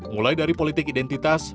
mulai dari politik identitas